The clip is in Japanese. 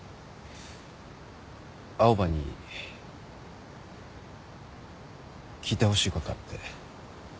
青羽に聞いてほしいことあって。